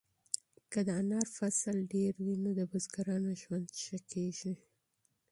که د انار حاصل ډېر وي نو د بزګرانو ژوند ښه کیږي.